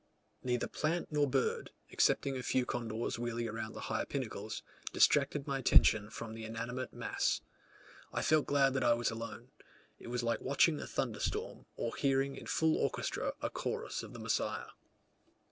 Neither plant nor bird, excepting a few condors wheeling around the higher pinnacles, distracted my attention from the inanimate mass. I felt glad that I was alone: it was like watching a thunderstorm, or hearing in full orchestra a chorus of the Messiah.